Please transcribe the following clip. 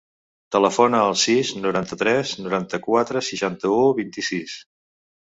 Telefona al sis, noranta-tres, noranta-quatre, seixanta-u, vint-i-sis.